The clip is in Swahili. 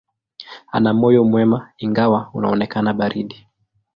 Ana moyo mwema, ingawa unaonekana baridi.